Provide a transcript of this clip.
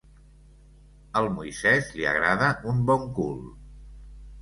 Al Moisès li agrada un bon cul.